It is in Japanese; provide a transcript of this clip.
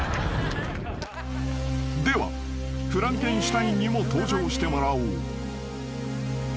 ［ではフランケンシュタインにも登場してもらおう］